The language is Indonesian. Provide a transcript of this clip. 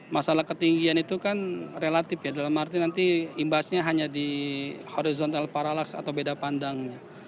masalah ketinggian itu kan relatif ya dalam arti nanti imbasnya hanya di horizontal paralaks atau beda pandangnya